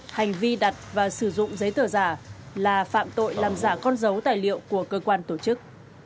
hành vi đặt và sử dụng giấy tờ giả là phạm tội làm giả con dấu tài liệu của cơ quan tổ chức